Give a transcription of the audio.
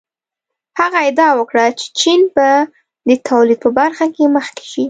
هغه ادعا وکړه چې چین به د تولید په برخه کې مخکې شي.